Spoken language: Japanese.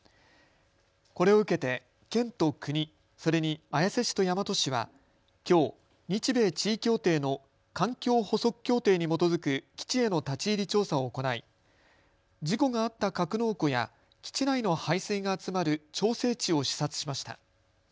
これを受けて県と国、それに綾瀬市と大和市はきょう日米地位協定の環境補足協定に基づく基地への立ち入り調査を行い事故があった格納庫や基地内の排水が集まる調整池を視察しました。